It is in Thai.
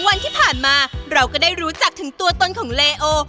วันที่ผ่านมาเราก็ได้รู้จักถึงตัวตนของเลโอ